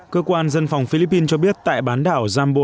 cơ quan dân phòng philippines cho biết tại bán đảo jambo